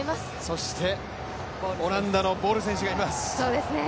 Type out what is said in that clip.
そしてオランダのボル選手がいます。